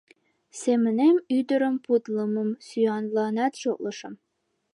Семынем ӱдырым путлымым сӱанланат шотлышым.